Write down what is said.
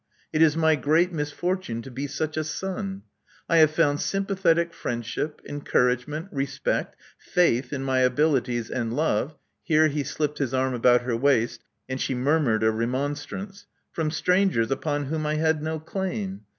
It is my great misfortune to be such a son. I have found sympathetic friendship, encouragement, respect, faith in my abilities and love" — ^here he slipped his arm about her waist ; and she murmured a remonstrance — from strangers upon whom I had no claim.